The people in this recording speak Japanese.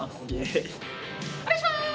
お願いします。